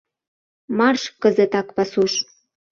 Марш кызытак пасуш!